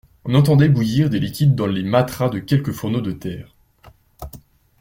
On entendait bouillir des liquides dans les matras de quelques fourneaux de terre.